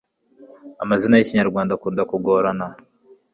amazina y'ikinyarwanda akunda kugorana